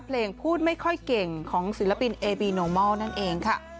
เพลงพูดไม่ค่อยเก่งของศิลปินเอบีโนมอลนั่นเองค่ะ